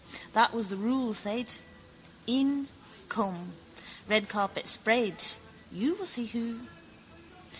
That was the rule, said. In. Come. Red carpet spread. You will see who.